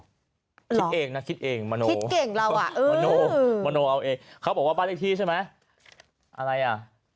คิดเองนะคิดเองมโนคิดเก่งเราอ่ะมโนมโนเอาเองเขาบอกว่าบ้านเลขที่ใช่ไหมอะไรอ่ะ